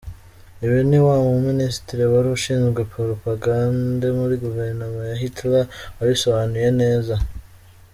Ibi ni wa muministre wari ushinzwe propagande muri Guverinoma ya Hitler wabisobanuye neza.